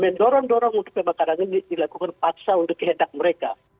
mendorong dorong untuk pembakaran ini dilakukan paksa untuk kehendak mereka